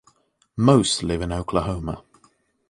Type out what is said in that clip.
Most live in Oklahoma.